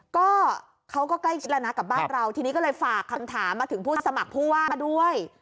ก็เขาก็ใกล้ชิดแล้วนะกับบ้านเราทีนี้ก็เลยฝากคำถามมาถึงผู้สมัครผู้ว่ามาด้วย